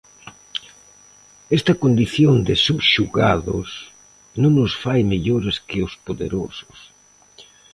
Esta condición de subxugados non os fai mellores que os poderosos.